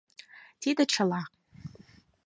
Тиде чыла.